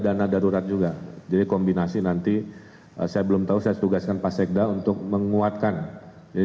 dana darurat juga jadi kombinasi nanti saya belum tahu saya tugaskan pak sekda untuk menguatkan jadi